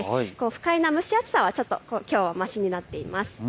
不快な蒸し暑さはきょうはましになっています。